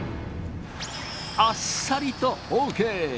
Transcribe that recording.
あっさりとＯＫ！